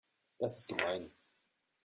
Das ist gemein.